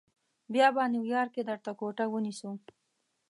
بیا به نیویارک کې درته کوټه ونیسو.